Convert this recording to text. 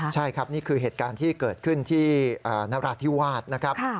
ใช่ครับนี่คือเหตุการณ์ที่เกิดขึ้นที่นราธิวาสนะครับ